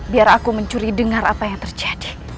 biar aku mencuri dengar apa yang terjadi